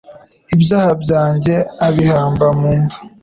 ibyaha byange abihamba mumva